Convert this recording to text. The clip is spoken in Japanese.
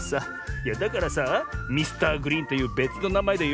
いやだからさミスターグリーンというべつのなまえでよ